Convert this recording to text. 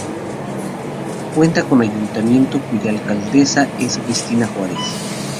Cuenta con un Ayuntamiento cuya alcaldesa es Cristina Juárez.